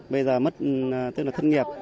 bây giờ mất tức là thất nghiệp